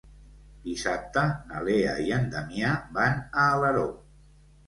Dissabte na Lea i en Damià van a Alaró.